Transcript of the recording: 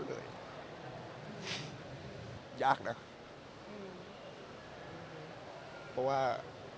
เพราะว่า